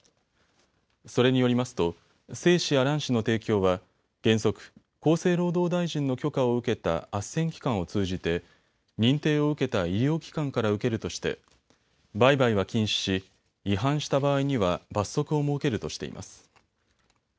それによりますと精子や卵子の提供は原則、厚生労働大臣の許可を受けたあっせん機関を通じて認定を受けた医療機関から受けるとして売買は禁止し違反した場合には罰則を設けるとしています。